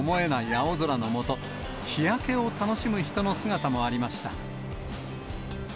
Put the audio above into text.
青空の下、日焼けを楽しむ人の姿もありました。